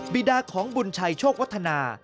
บีดาของบุญชัยโชควัฒนา